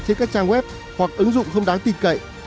trên các trang web hoặc ứng dụng không đáng tin cậy